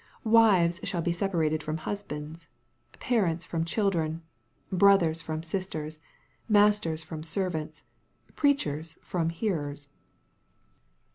Wives shall be separated from husbands — ^parents from children — ^brothers from sisters — masters from servants— preachers from hearers.